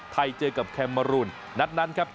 ไทยเจอกับแคมเมรุนนัดนั้นครับ